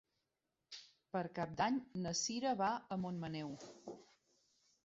Per Cap d'Any na Cira va a Montmaneu.